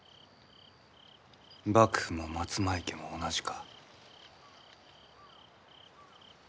幕府も松前家も同じか。